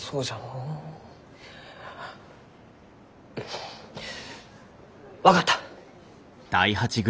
うん。分かった。